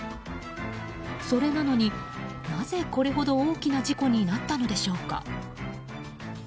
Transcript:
それなのに、なぜこれほど大きな事故になったのでしょうか。